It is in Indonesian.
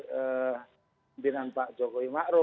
pemerintahan pak jokowi makro